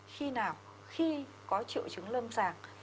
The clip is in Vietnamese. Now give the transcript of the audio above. khi nào khi có triệu chứng lâm sàng